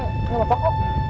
yang nunggu pak